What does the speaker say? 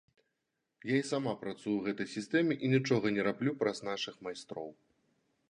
Я і сама працую ў гэтай сістэме і нічога не раблю праз нашых майстроў.